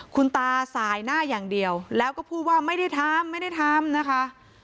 คุณตาสายหน้าอย่างเดียวแล้วก็พูดว่าไม่ได้ทำไม่ได้ทำนะคะ